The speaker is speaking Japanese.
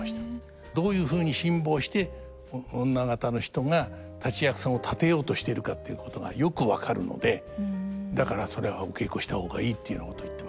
どういうふうに辛抱して女方の人が立役さんを立てようとしているかっていうことがよく分かるのでだからそれはお稽古した方がいいっていうようなこと言ってましたね。